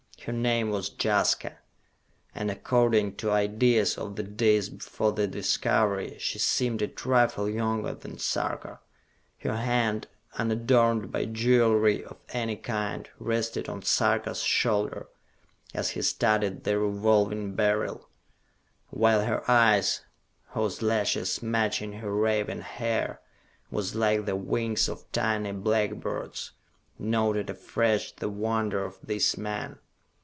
Her name was Jaska, and according to ideas of the Days Before the Discovery, she seemed a trifle younger than Sarka. Her hand, unadorned by jewelry of any kind, rested on Sarka's shoulder as he studied the Revolving Beryl, while her eyes, whose lashes, matching her raven hair, were like the wings of tiny blackbirds, noted afresh the wonder of this man.